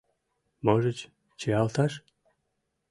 Можыч, чиялташ?